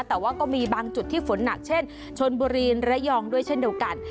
แต่ว่าก็มีบางจุดที่ฝนหนักเช่นชนบุรีระยองด้วยเช่นเดียวกัน